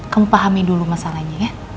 kamu pahami dulu masalahnya ya